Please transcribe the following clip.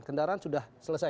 kendaraan sudah selesai